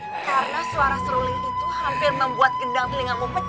karena suara seruling itu hampir membuat gendang telingamu pecah